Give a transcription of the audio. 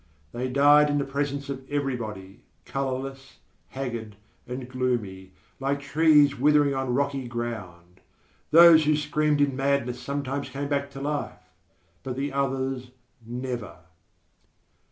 They died in the presence of everybody, colourless, haggard and gloomy, like trees withering on rocky ground. Those who screamed in madness sometimes came back to life; but the others, never.